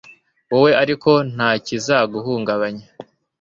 wowe ariko ntakizaguhugabanya